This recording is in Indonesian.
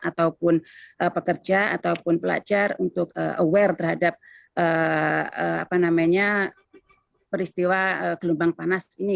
ataupun pekerja ataupun pelajar untuk aware terhadap peristiwa gelombang panas ini